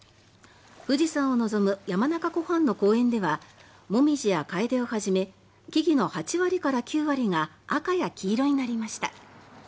富士山を望む山中湖畔の公園ではモミジやカエデをはじめ木々の８割から９割が赤や黄色になりました。